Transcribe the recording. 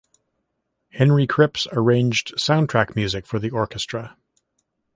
Henry Krips arranged soundtrack music for the orchestra.